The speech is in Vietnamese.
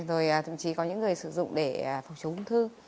rồi thậm chí có những người sử dụng để phòng chống ung thư